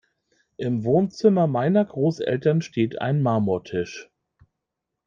Im Wohnzimmer meiner Großeltern steht ein Marmortisch.